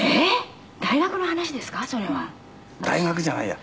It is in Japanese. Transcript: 大学じゃないや。